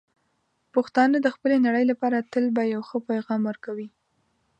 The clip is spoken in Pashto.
پښتانه د خپلې نړۍ لپاره تل به یو ښه پېغام ورکوي.